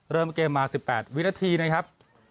เริ่มเกมมา๑๘วินาทีนะครับ